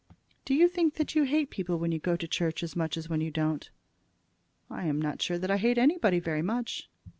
"Do you think that you hate people when you go to church as much as when you don't?" "I am not sure that I hate anybody very much."